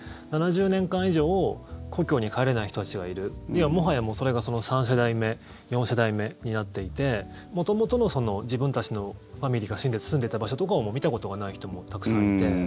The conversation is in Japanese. ７０年間以上故郷に帰れない人たちがいるいや、もはやそれが３世代目、４世代目になっていて元々の自分たちのファミリーが住んでた場所とかを見たことがない人もたくさんいて。